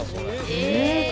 え！？